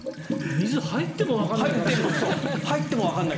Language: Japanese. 水、入ってもわからない。